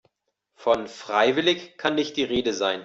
Von freiwillig kann nicht die Rede sein.